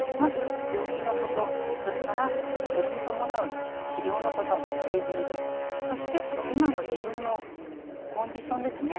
病気のこと、それからそれに伴う治療のこと、スケジュールそして今の自分のコンディションですね。